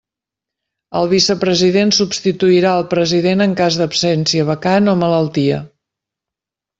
El vicepresident substituirà el president en cas d'absència, vacant, o malaltia.